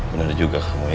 benar juga kamu ya